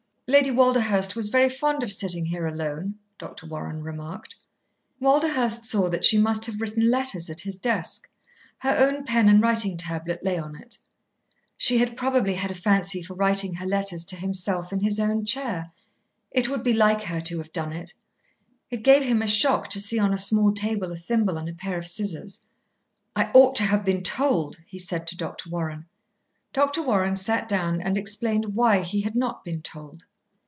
"Lady Walderhurst was very fond of sitting here alone," Dr. Warren remarked. Walderhurst saw that she must have written letters at his desk. Her own pen and writing tablet lay on it. She had probably had a fancy for writing her letters to himself in his own chair. It would be like her to have done it. It gave him a shock to see on a small table a thimble and a pair of scissors. "I ought to have been told," he said to Dr. Warren. Dr. Warren sat down and explained why he had not been told.